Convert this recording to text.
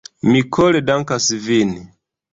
Mi kore dankas vin.